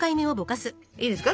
いいですか？